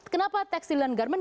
kenapa tekstil dan garmen